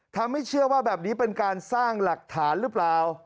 ทำให้เชื่อว่าแบบนี้เป็นการสร้างหลักฐานหรือเปล่า